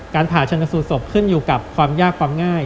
ผ่าชนสูตรศพขึ้นอยู่กับความยากความง่าย